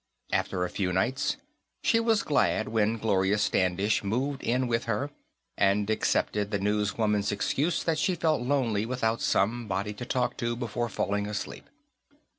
After a few nights, she was glad when Gloria Standish moved in with her, and accepted the newswoman's excuse that she felt lonely without somebody to talk to before falling asleep.